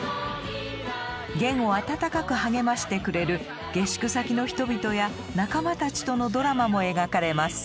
ゲンを温かく励ましてくれる下宿先の人々や仲間たちとのドラマも描かれます。